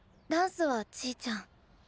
ダンスはちぃちゃん。